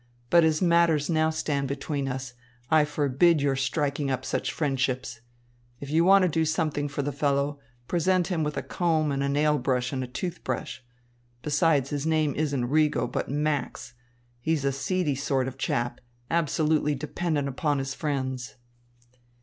But as matters now stand between us, I forbid your striking up such friendships. If you want to do something for the fellow, present him with a comb and a nail brush and a tooth brush. Besides, his name isn't Rigo but Max, and he's a seedy sort of chap, absolutely dependent upon his friends."